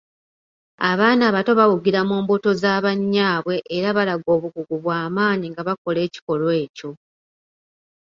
Abaana abato bawugira mu mbuto za bannyaabwe era balaga obukugu bwamaanyi nga bakola ekikolwa ekyo.